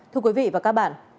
thưa quý vị và các bạn